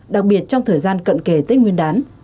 đặc biệt trong thời gian cận kề tết nguyên đán